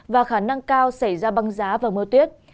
và khả năng cao xảy ra băng giá và mưa tuyết